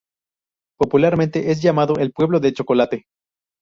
Popularmente es llamado "El pueblo de chocolate".